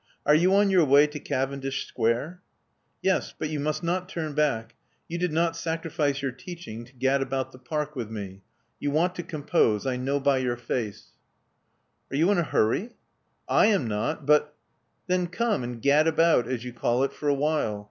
Are you on your way to Cavendish Square?" "Yes. But you must not turn back. You did not sacrifice your teaching to gad about the park with me. You want to compose. I know by your face." 257 258 Love Among the Artists Are you in a hurry?" /am not; but " Then come and gad about, as you call it, for a while.